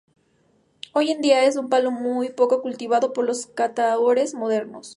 Hoy en día, es un palo muy poco cultivado por los cantaores modernos.